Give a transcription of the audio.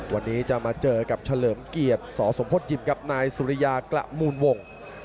วันนี้จะมาเจอกับเฉลิมเกียรติสสมพยิมกับนายสุริยากระมูลวง